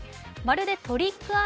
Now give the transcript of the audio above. まるでトリック